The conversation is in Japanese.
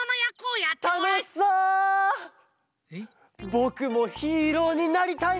ぼくもヒーローになりたい！